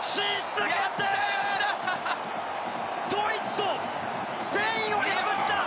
ドイツとスペインを破った！